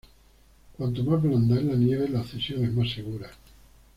Cuanto más blanda es la nieve, la ascensión es más segura.